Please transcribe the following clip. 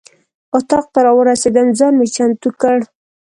اتاق ته راورسېدم ځان مې چمتو کړ.